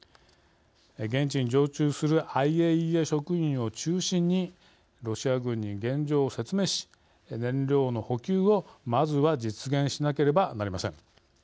現地に常駐するＩＡＥＡ職員を中心にロシア軍に現状を説明し燃料の補給をまずは実現しなければなりません。